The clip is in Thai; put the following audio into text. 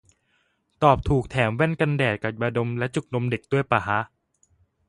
ตอบถูกแถมแว่นกันแดดกับยาดมและจุกนมเด็กด้วยปะฮะ